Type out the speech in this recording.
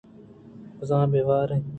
بزّگ ءُبےوار انت